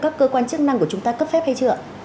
các cơ quan chức năng của chúng ta cấp phép hay chưa